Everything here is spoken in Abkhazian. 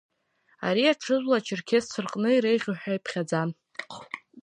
Ари аҽыжәла ачерқьесцәа рҟны иреиӷьу ҳәа иԥхьаӡан.